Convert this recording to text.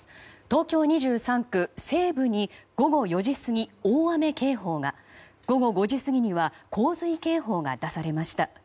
東京２３区西部に午後４時過ぎ、大雨警報が午後５時過ぎには洪水警報が出されました。